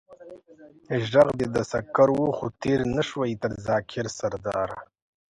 ژغ دې د سکر و، خو تېر نه شوې تر ذاکر سرداره.